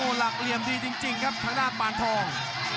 โอ้หลักเหลี่ยมดีจริงครับข้างหน้าปานทอง